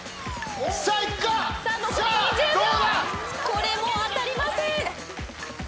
⁉これも当たりません。